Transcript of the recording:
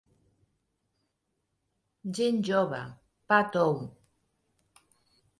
Gent jove, pa tou...